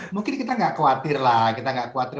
mungkin kita tidak khawatir lah kita tidak khawatir